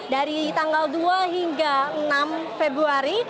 dari tanggal dua hingga enam februari